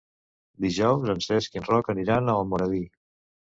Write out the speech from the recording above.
Dijous en Cesc i en Roc aniran a Almoradí.